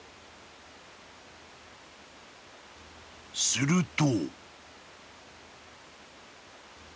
［すると］